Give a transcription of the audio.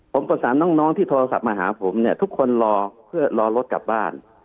ผมประสานน้องที่โทรศัพท์มาหาผมเนี่ยทุกคนรอเพื่อรอรถกลับบ้าน